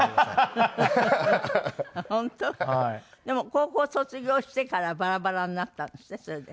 でも高校卒業してからバラバラになったんですって？